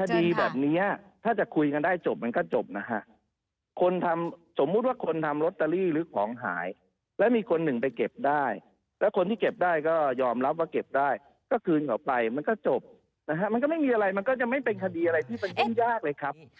คดีแบบนี้ถ้าจะคุยกันได้จบมันก็จบนะฮะคนทำสมมุติว่าคนทำลอตเตอรี่หรือของหายแล้วมีคนหนึ่งไปเก็บได้แล้วคนที่เก็บได้ก็ยอมรับว่าเก็บได้ก็คืนออกไปมันก็จบนะฮะมันก็ไม่มีอะไรมันก็จะไม่เป็นคดีอะไรที่มันยุ่งยากเลยครับ